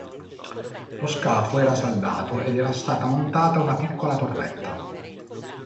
Lo scafo era saldato ed era stata montata una piccola torretta.